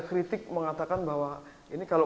kritik mengatakan bahwa ini kalau